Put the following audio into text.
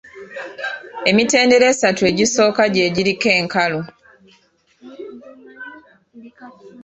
Emitendera esatu egisooka gye giriko enkalu.